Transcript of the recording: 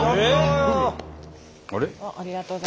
あれ？